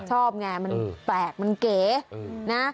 ชอบไงมันแปลกมันเก๋นะ